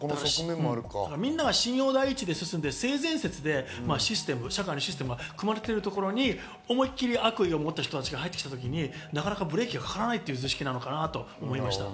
みんなが信用第一で進んで性善説で社会のシステムが組まれているところに思い切り悪意を持った人たちが入ってきた時、なかなかブレーキがかからない図式かなと思いました。